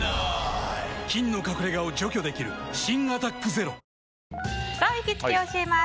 菌の隠れ家を除去できる新「アタックＺＥＲＯ」行きつけ教えます！